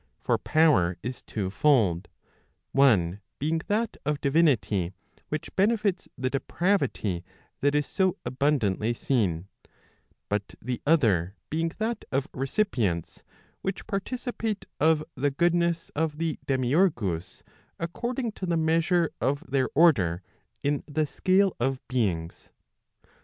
For power is twofold, one being that of divinity, which benefits the depravity that is so abundantly seen ;' but the other being that of recipients, which participate of the goodness of the demiurgus according to the measure of their order [in the scale of beings].